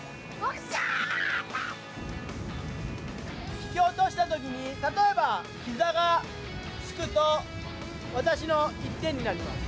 引き落とした時に例えばひざがつくと私の１点になります。